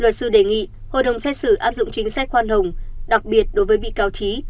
luật sư đề nghị hội đồng xét xử áp dụng chính sách khoan hồng đặc biệt đối với bị cáo trí